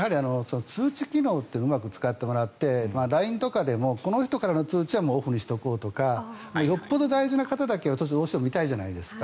通知機能ってうまく使ってもらってＬＩＮＥとかでもこの人からの通知はもうオフにしておこうとかよほど大事な方だけ見たいじゃないですか。